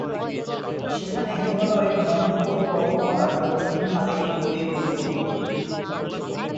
সেখানে হিমালয়ের নন্দ কোট পর্বতমালার দক্ষিণ ঢালে এই নদীর উৎপত্তি।